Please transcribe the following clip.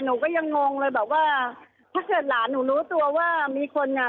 หนูก็ยังงงเลยแบบว่าถ้าเกิดหลานหนูรู้ตัวว่ามีคนอ่ะ